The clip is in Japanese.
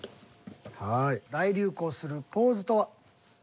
はい大流行するポーズとは？